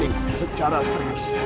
ini secara serius